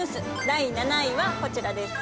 第７位はこちらです。